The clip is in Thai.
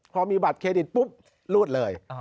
พอมีบัตรเครดิตปุ๊บรูดเลย